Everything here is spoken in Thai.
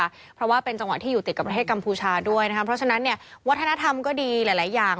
เพราะว่าเป็นจังหวะที่อยู่ติดกับประเทศกัมพูชาด้วยนะครับเพราะฉะนั้นเนี่ยวัฒนธรรมก็ดีหลายหลายอย่าง